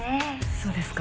そうですか。